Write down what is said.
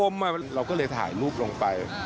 มาเราก็เลยถ่ายรูปลงไป